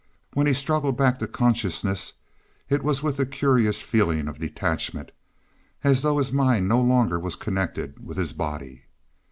When he struggled back to consciousness it was with a curious feeling of detachment, as though his mind no longer was connected with his body.